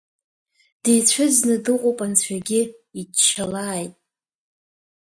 Дицәыӡны дыҟоуп анцәагьы, иччалааит…